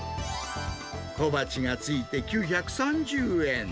小鉢がついて９３０円。